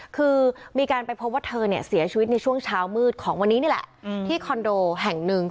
คือมีการไปพบว่าเธอเนี่ยเสียชีวิตในช่วงเช้ามืดของวันนี้นี่แหละที่คอนโดแห่งหนึ่ง